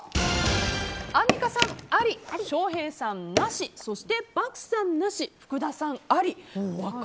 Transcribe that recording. アンミカさん、あり翔平さん、なしそして漠さんなし。